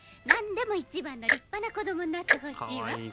「何でも一番の立派な子供になってほしいわ」